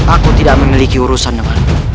aku tidak memiliki urusan apa